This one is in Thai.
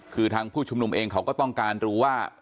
คือทางผู้ชุมนุมเองเขาก็ต้องการรู้ว่า